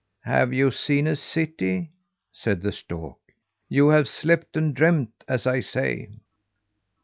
"Have you seen a city?" said the stork. "You have slept and dreamt, as I say."